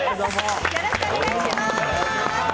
よろしくお願いします。